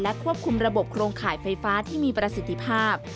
ควบคุมระบบโครงข่ายไฟฟ้าที่มีประสิทธิภาพ